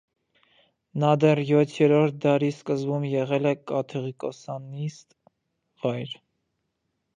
Նա դեռ յոթերորդ դարի սկզբում եղել է կաթողիկոսանիստ վայր։